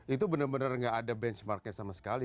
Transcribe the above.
itu bener bener gak ada benchmarknya sama sekali